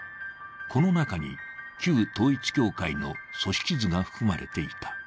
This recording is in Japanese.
この中に旧統一教会の組織図が含まれていた。